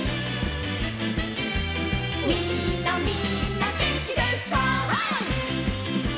「みんなみんなげんきですか？」